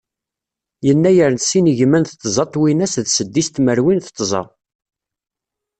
Yennayer n sin igiman d tẓa twinas d seddis tmerwin d tẓa.